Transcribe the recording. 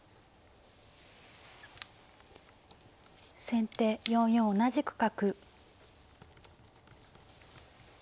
先手４四同じく角。